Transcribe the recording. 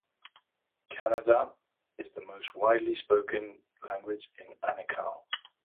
Kannada is the most widely spoken language in Anekal.